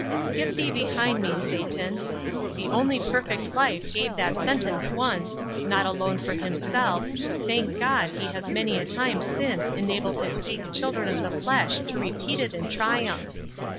"Get thee behind me, Satan." The only perfect life gave that sentence once, not alone for Himself; thank God he has many a time since enabled his weak children of the flesh to repeat it in triumph.